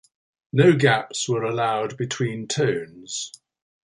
No gaps were allowed between tones.